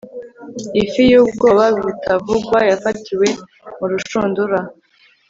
ifi yubwoba butavugwa yafatiwe mu rushundura